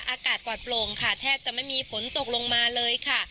อากาศกวาดโปร่งค่ะแทบจะไม่มีฝนตกลงมาเลยค่ะ